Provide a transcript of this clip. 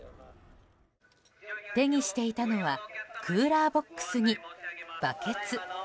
手にしていたのはクーラーボックスにバケツ。